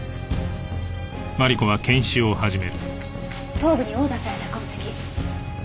頭部に殴打された痕跡。